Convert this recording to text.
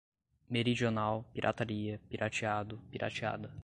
meridional, pirataria, pirateado, pirateada